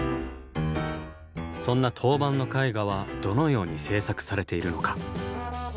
そんな陶板の絵画はどのように製作されているのか。